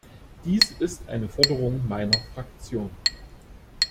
Dies ist eine Forderung meiner Fraktion.